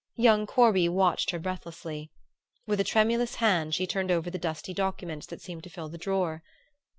Young Corby watched her breathlessly. With a tremulous hand she turned over the dusty documents that seemed to fill the drawer.